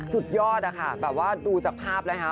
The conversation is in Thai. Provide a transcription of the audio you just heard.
สุดยอดอะค่ะแบบว่าดูจากภาพนะคะ